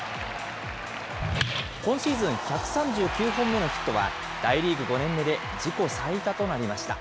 今シーズン、１３９本目のヒットは、大リーグ５年目で自己最多となりました。